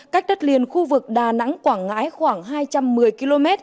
cách đất liền khu vực đà nẵng quảng ngãi khoảng hai mươi km